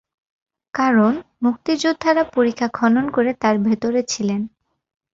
কারণ, মুক্তিযোদ্ধারা পরিখা খনন করে তার ভেতরে ছিলেন।